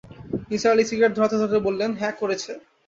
Nisar Ali cigarette ধরাতে-ধরাতে বললেন, হ্যাঁ, করেছে।